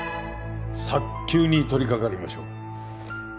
早急に取りかかりましょう。